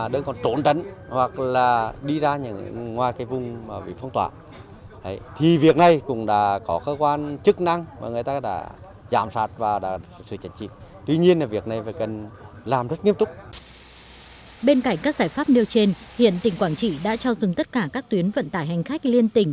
bên cạnh các giải pháp nêu trên hiện tỉnh quảng trị đã cho dừng tất cả các tuyến vận tải hành khách liên tỉnh